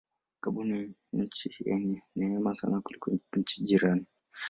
Gabon ni nchi yenye neema sana kuliko nchi jirani.